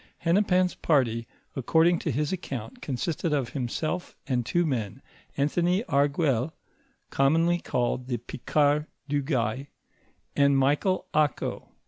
f Hennepin's party, according to his account, consisted of himself and two men, Anthony Auguelle, commonly called the Picard du Gay, and Michael Ako.